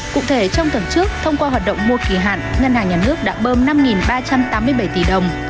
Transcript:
cụ thể trong tuần trước thông qua hoạt động mua kỳ hạn ngân hàng nhà nước đã bơm năm ba trăm tám mươi bảy tỷ đồng